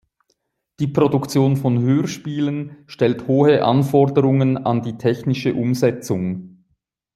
Die Produktion von Hörspielen stellt hohe Anforderungen an die technische Umsetzung.